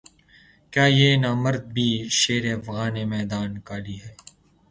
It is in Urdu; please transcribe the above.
کہ یہ نامرد بھی شیر افگنِ میدانِ قالی ہے